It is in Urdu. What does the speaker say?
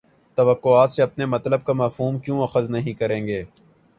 توواقعات سے اپنے مطلب کا مفہوم کیوں اخذ نہیں کریں گے؟